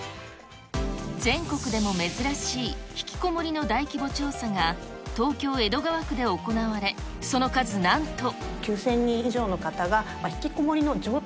全国でも珍しいひきこもりの大規模調査が、東京・江戸川区で行われ、その数なんと。